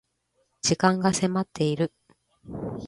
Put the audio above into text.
時間が迫っている